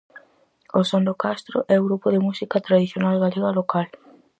O Son do Castro é o grupo de música tradicional galega local.